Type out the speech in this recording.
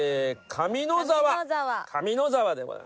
上野沢でございますね。